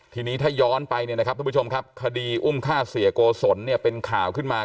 ทีนี้ถ้าย้อนไปเนี่ยนะครับทุกผู้ชมครับคดีอุ้มฆ่าเสียโกศลเนี่ยเป็นข่าวขึ้นมา